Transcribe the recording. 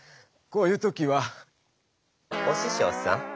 こういう時はおししょうさん